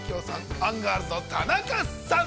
アンガールズの田中さん。